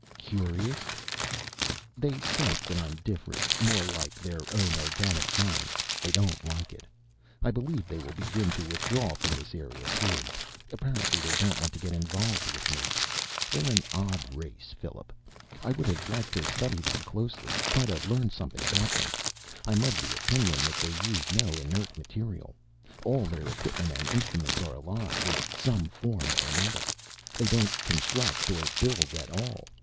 "Curious?" "They sense that I'm different, more like their own organic mines. They don't like it. I believe they will begin to withdraw from this area, soon. Apparently they don't want to get involved with me. They're an odd race, Philip. I would have liked to study them closely, try to learn something about them. I'm of the opinion that they use no inert material. All their equipment and instruments are alive, in some form or other. They don't construct or build at all.